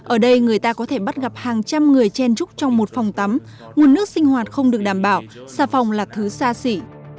ở đây người ta có thể bắt gặp hàng trăm người chen trúc trong một phòng tắm nguồn nước sinh hoạt không được đảm bảo xà phòng là thứ xa xỉ